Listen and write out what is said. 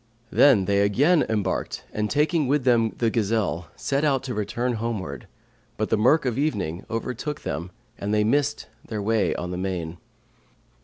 Then they again embarked and taking with them the gazelle, set out to return homeward, but the murk of evening overtook them and they missed their way on the main.